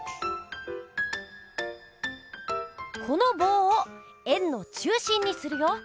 このぼうを円の中心にするよ。